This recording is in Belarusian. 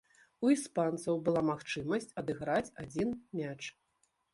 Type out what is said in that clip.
У іспанцаў была магчымасць адыграць адзін мяч.